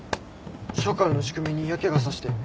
社会の仕組みに嫌気が差して。